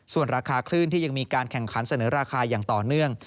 ส่วนราคาคลื่นที่ยังมีการแข่งขันเสนอราคาอย่างต่อเนื่อง